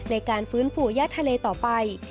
ในการฟื้นฟูย่าทะเลต่อไป